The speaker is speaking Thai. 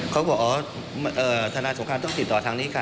เขาบอกอ๋อทนายสงการต้องติดต่อทางนี้ค่ะ